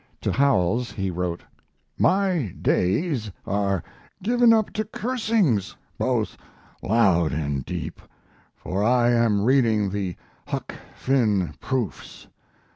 To Howells he wrote: My days are given up to cursings, both loud and deep, for I am reading the 'Huck Finn' proofs.